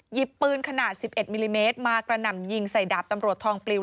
ปืนขนาด๑๑มิลลิเมตรมากระหน่ำยิงใส่ดาบตำรวจทองปลิว